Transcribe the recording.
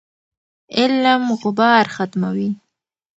علم غبار ختموي.